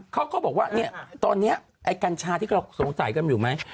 เขาก็บอกว่าเนี่ยตอนนี้ไอ้กัญชาที่เราสงสัยกันอยู่ไหม